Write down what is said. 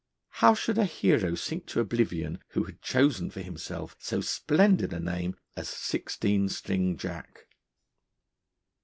How should a hero sink to oblivion who had chosen for himself so splendid a name as Sixteen String Jack?